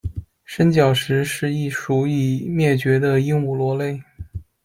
伸角石是一属已灭绝的鹦鹉螺类。